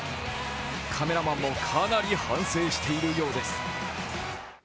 カメラマンもかなり反省しているようです。